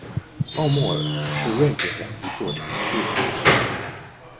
奥莫尔是瑞典的一座城市。